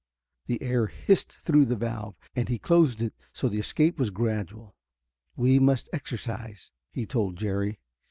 The air hissed through the valve, and he closed it so the escape was gradual. "We must exercise," he told Jerry.